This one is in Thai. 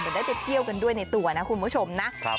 เดี๋ยวได้ไปเที่ยวกันด้วยในตัวนะคุณผู้ชมนะ